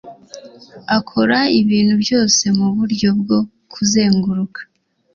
akora ibintu byose muburyo bwo kuzenguruka.